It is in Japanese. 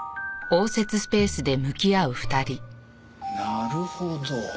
なるほど。